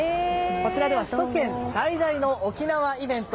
こちらでは首都圏最大の沖縄イベント